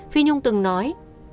phi nhung từng nói